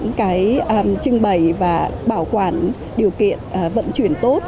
trong những trưng bày và bảo quản điều kiện vận chuyển tốt